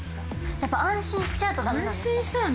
やっぱ安心しちゃうとダメなんですかね。